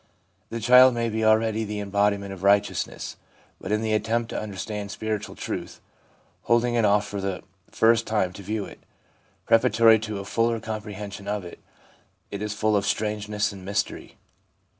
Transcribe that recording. The child may be already the embodiment of righteousness ; but in the attempt to understand spiritual truth, holding it off for the first time to view it, preparatory to a fuller comprehension of it, it is full of strangeness and mystery.